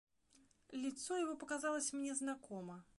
Лицо его показалось мне знакомо.